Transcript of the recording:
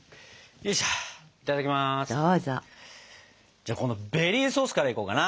じゃあこのベリーソースからいこうかな。